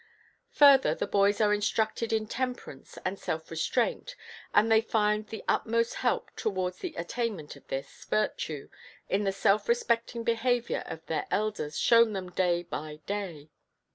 Further, the boys are instructed in temperance and self restraint, and they find the utmost help towards the attainment of this virtue in the self respecting behaviour of their elders, shown them day by day.